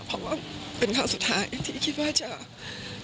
เพราะว่าเป็นครั้งสุดท้ายที่คิดว่าจะทำให้ท่าน